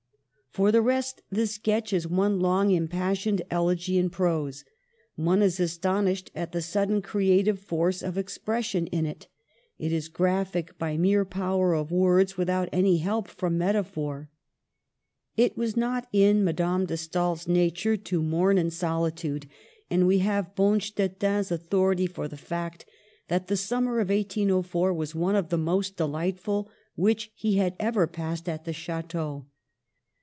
For the rest, the sketch is one long impassioned elegy in prose. One is astonished at the sudden creative force of expression in it It is graphic by mere power of words without any help from metaphor. It was not in Madame de Stael's nature to mourn in solitude, and we have Bonstetten's authority for the fact that the summer of 1804 was one of the most delightful which he had ever passed at the Chdteau.